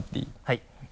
はい。